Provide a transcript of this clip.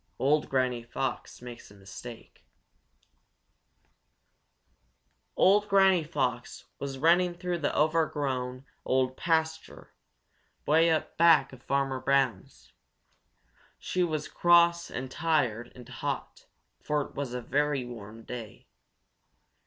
Old Granny Fox Makes a Mistake Old Granny Fox was running through the overgrown old pasture, way up back of Farmer Brown's. She was cross and tired and hot, for it was a very warm day.